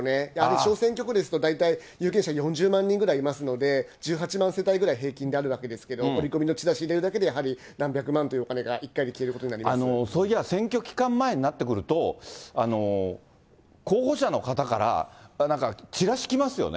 小選挙区ですと大体有権者４０万人ぐらいいますので、１８万世帯ぐらい平均であるわけですけど、折り込みのチラシ入れるだけで、やはり何百万というお金が１回でそういや、選挙期間前になってくると、候補者の方から、なんかチラシ来ますよね。